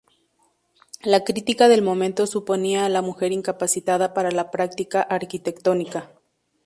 La crítica del momento suponía a la mujer incapacitada para la práctica arquitectónica.